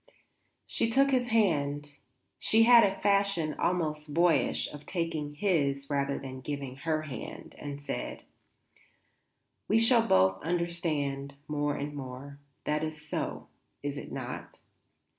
She took his hand, she had a fashion almost boyish of taking his rather than giving her hand, and said: "We shall both understand more and more; that is so, is it not?